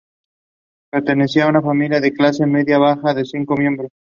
Pertenecía a una familia de clase media-baja de cinco miembros.